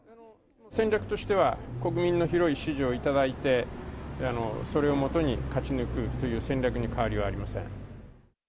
戦略としては、国民の広い支持を頂いて、それをもとに勝ち抜くという戦略に変わりはありません。